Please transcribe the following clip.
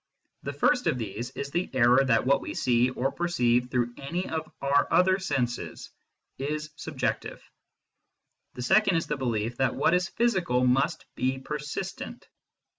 The first of these is the error that what we see, or perceive through any of our other senses, is subjective : the second is the belief that what is physical must be persistent.